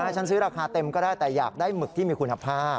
ฉันซื้อราคาเต็มก็ได้แต่อยากได้หมึกที่มีคุณภาพ